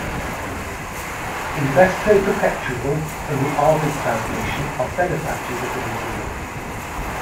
Invesco Perpetual and The Arbib Foundation are benefactors of the museum.